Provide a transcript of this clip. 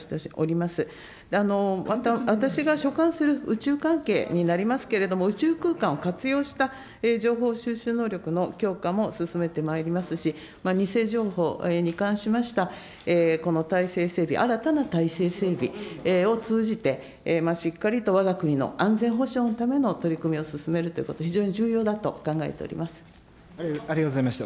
また、私が所管する宇宙関係になりますけれども、宇宙空間を活用した情報収集能力の強化も進めてまいりますし、偽情報に関しましたこの体制整備、新たな体制整備を通じて、しっかりとわが国の安全保障のための取り組みを進めるということ、ありがとうございました。